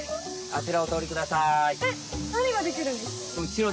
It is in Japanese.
あちらをおとおりください！